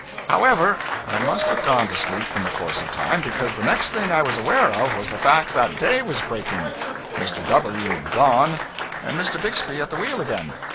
However, I must have gone to sleep in the course of time, because the next thing I was aware of was the fact that day was breaking, Mr. W gone, and Mr. Bixby at the wheel again.